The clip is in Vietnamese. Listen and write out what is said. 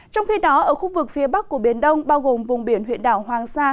trong khi đó ở khu vực phía bắc của biển đông bao gồm vùng biển huyện đảo hoàng sa